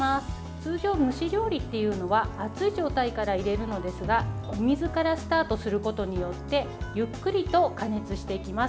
通常、蒸し料理っていうのは熱い状態から入れるのですがお水からスタートすることによってゆっくりと加熱していきます。